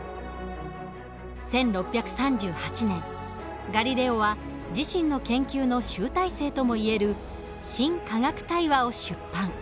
１６３８年ガリレオは自身の研究の集大成ともいえる「新科学対話」を出版。